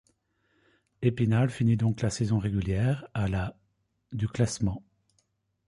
Épinal finit donc la saison régulière à la du classement.